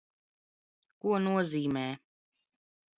Ko noz?m?